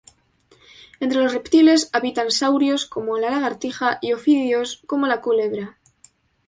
Entre los reptiles, habitan saurios como la lagartija, y ofidios, como la culebra.